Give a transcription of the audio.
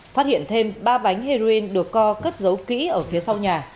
phát hiện thêm ba bánh heroin được co cất giấu kỹ ở phía sau nhà